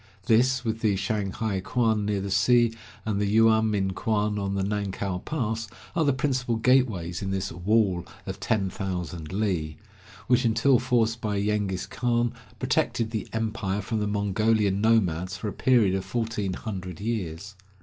This, with the Shanghai kuan near the sea, and the Yuamin kuan, on the Nankow pass, are the principal gateways in this "wall of ten thousand li," which, until forced by Yengiz Khan, protected the empire from the Mongolian nomads for a period of fourteen hundred years.